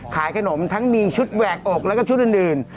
ขายขนมทั้งมีชุดแหวกอกแล้วก็ชุดอื่น